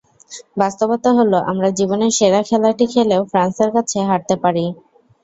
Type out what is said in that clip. বাস্তবতা হলো, আমরা জীবনের সেরা খেলাটি খেলেও ফ্রান্সের কাছে হারতে পারি।